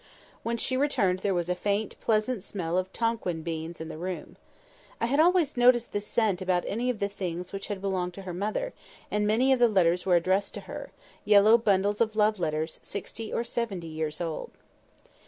When she returned there was a faint, pleasant smell of Tonquin beans in the room. I had always noticed this scent about any of the things which had belonged to her mother; and many of the letters were addressed to her—yellow bundles of love letters, sixty or seventy years old.